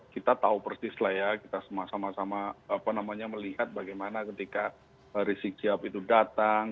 kita tahu persis lah ya kita sama sama melihat bagaimana ketika rizik sihab itu datang